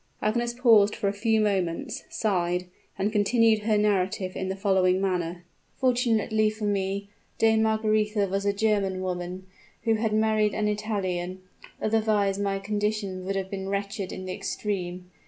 Agnes paused for a few moments, sighed, and continued her narrative in the following manner: "Fortunately for me, Dame Margaretha was a German woman, who had married an Italian, otherwise my condition would have been wretched in the extreme.